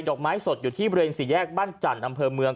อกไม้สดอยู่ที่บริเวณสี่แยกบ้านจันทร์อำเภอเมือง